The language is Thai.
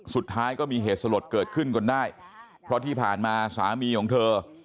สุดท้ายก็มีเหตุสลดเกิดขึ้นจนได้เพราะที่ผ่านมาสามีของเธอ